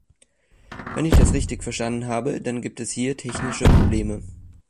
Wenn ich das richtig verstanden habe, dann gibt es hier technische Probleme.